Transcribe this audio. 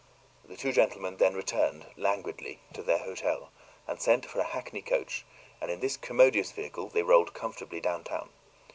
The two gentlemen then returned, languidly, to their hotel, and sent for a hackney coach, and in this commodious vehicle they rolled comfortably downtown.